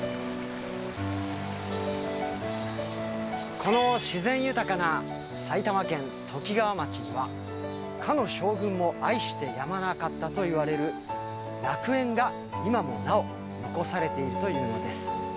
この自然豊かな埼玉県ときがわ町には、かの将軍も愛してやまなかったといわれる楽園が今もなお残されているというのです。